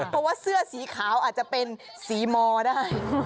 เพราะว่าเสื้อสีขาวอาจจะเป็นสีมอได้